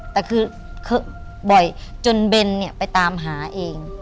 แต่คือบ่อยจนเบนเนี่ยไปตามหาเอง